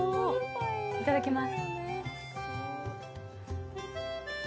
いただきます。